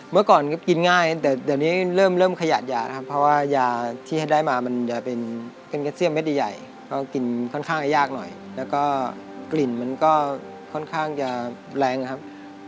เมื่อก่อนก็กินง่ายแต่เดี๋ยวนี้เริ่มขยะยานะครับเพราะว่ายาที่ให้ได้มามันจะเป็นกระเซียมเม็ดใหญ่ก็กินค่อนข้างยากหน่อยแล้วก็กลิ่นมันก็ค่อนข้างจะแรงนะครับ